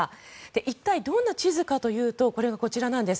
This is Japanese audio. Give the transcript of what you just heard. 一体どんな地図かというとそれがこちらなんです。